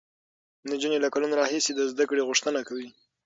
نجونې له کلونو راهیسې د زده کړې غوښتنه کوي.